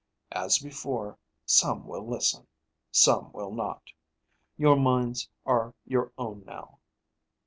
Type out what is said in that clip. As before, some will listen, some will not. Your minds are your own, now.